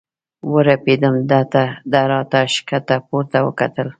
ورپېدم، ده را ته ښکته پورته وکتل.